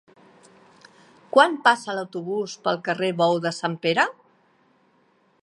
Quan passa l'autobús pel carrer Bou de Sant Pere?